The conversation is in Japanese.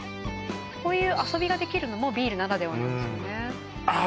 こういう遊びができるのもビールならではなんですよねああ